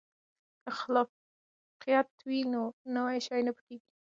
که خلاقیت وي نو نوی شی نه پټیږي.